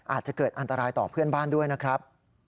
อาจจะเกิดอันตรายต่อเพื่อนบ้านด้วยนะครับ